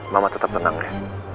mama tetap tenang ya